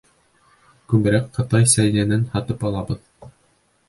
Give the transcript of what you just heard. Күберәк ҡытай сәйләнен һатып алабыҙ.